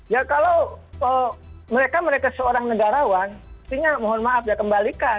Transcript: ya kalau mereka mereka seorang negarawan pastinya mohon maaf ya kembalikan